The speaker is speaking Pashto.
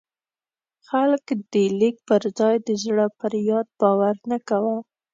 خلک د لیک پر ځای د زړه پر یاد باور نه کاوه.